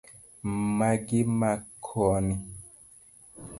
Magi ma koni